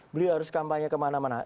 beliau harus kampanye kemana mana